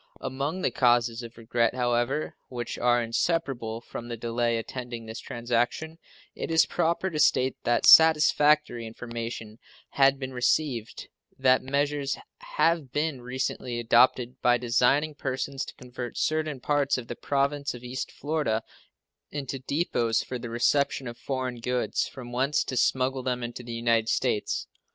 Among the causes of regret, however, which are inseparable from the delay attending this transaction it is proper to state that satisfactory information has been received that measures have been recently adopted by designing persons to convert certain parts of the Province of East Florida into depots for the reception of foreign goods, from whence to smuggle them into the United States.